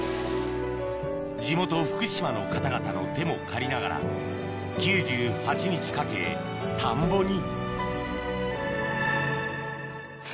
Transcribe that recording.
地元福島の方々の手も借りながら９８日かけ田んぼに２１回目。